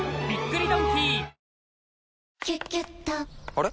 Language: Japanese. あれ？